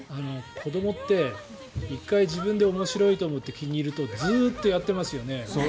子どもって１回、自分で面白いと思って気に入るとずっとやってますよね。